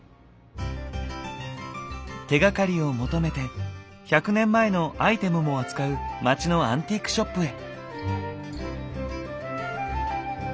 手がかりを求めて１００年前のアイテムも扱う街のアンティークショップへ。